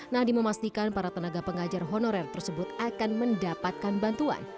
nadiem memastikan para tenaga pengajar honorer tersebut akan mendapatkan bantuan